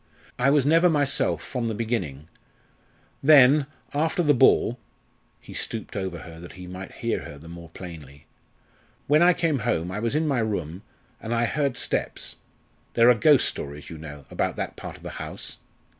I was never myself from the beginning. Then, after the ball," he stooped over her that he might hear her the more plainly, "when I came home I was in my room and I heard steps there are ghost stories, you know, about that part of the house.